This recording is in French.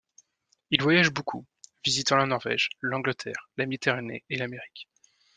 Il voyage beaucoup, visitant la Norvège, l'Angleterre, la Méditerranée et l'Amérique.